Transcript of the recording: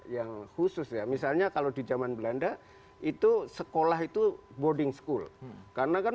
yang khusus ya misalnya kalau di zaman belanda itu sekolah itu boarding school karena kan